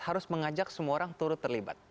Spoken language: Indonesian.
harus mengajak semua orang turut terlibat